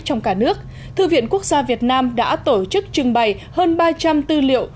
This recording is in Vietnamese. trong cả nước thư viện quốc gia việt nam đã tổ chức trưng bày hơn ba trăm linh tư liệu